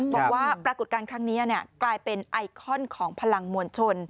บอกว่าปรากฏการณ์ครั้งนี้กลายเป็นไอคอนของพลังมวลชน